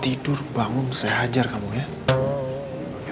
tidur bangun saya hajar kamu ya